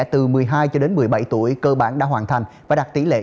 từ một mươi hai một mươi bảy tuổi cơ bản đã hoàn thành và đạt tỷ lệ chín mươi năm bảy